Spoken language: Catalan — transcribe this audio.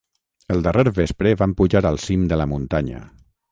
El darrer vespre van pujar al cim de la muntanya.